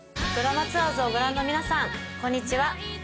『ドラマツアーズ』をご覧の皆さんこんにちは。